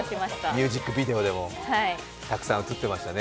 ミュージックビデオでもたくさん映ってましたね。